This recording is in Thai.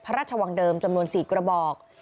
พระราชวังเดิมจำนวน๔กระบอก